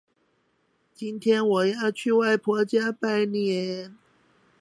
今天我要去外婆家拜年